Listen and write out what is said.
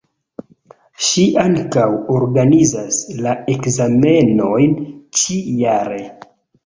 Ŝi ankaŭ organizas la ekzamenojn ĉi jare.